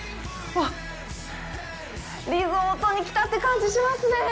わっ、リゾートに来たって感じしますね。